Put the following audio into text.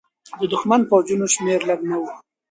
د دښمن د پوځونو شمېر لږ نه و.